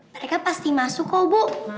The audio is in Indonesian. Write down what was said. mereka pasti masuk kok bu